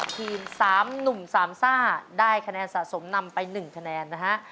ทีม๓หนุ่มสามซ่าได้คะแนนสะสมนำไป๑คะแนนนะฮะ